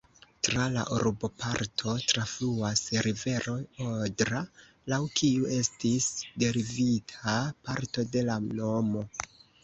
Tra la urboparto trafluas rivero Odra, laŭ kiu estis derivita parto de la nomo.